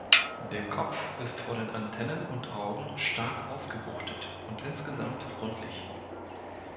Der Kopf ist vor den Antennen und Augen stark ausgebuchtet und insgesamt rundlich.